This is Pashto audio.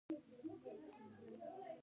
د ورځې په پای کې خپل بریاوې یاداښت کړه.